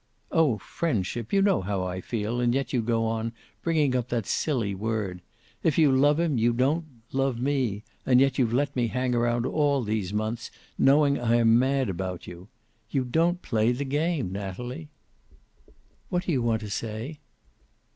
"Oh friendship! You know how I feel, and yet you go on, bringing up that silly word. If you love him, you don't love me, and yet you've let me hang around all these months, knowing I am mad about you. You don't play the game, Natalie." "What do you want to say?"